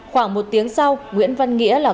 khoảng một tiếng sau nguyễn văn nghĩa